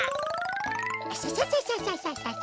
サササササ。